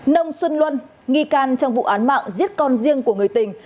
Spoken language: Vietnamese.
nông xuân luân nghi can trong vụ án mạng giết con riêng của người tình